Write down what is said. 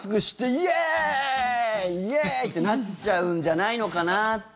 イエーイ！ってなっちゃうんじゃないのかなって。